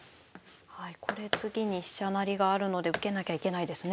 これ次に飛車成りがあるので受けなきゃいけないですね。